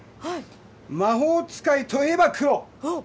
魔法使いといえば黒。